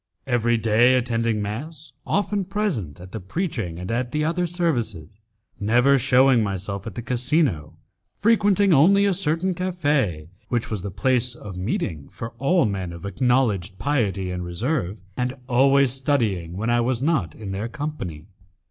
Every day attending mass, often present at the preaching and at the other services, never shewing myself at the casino, frequenting only a certain cafe which was the place of meeting for all men of acknowledged piety and reserve, and always studying when I was not in their company.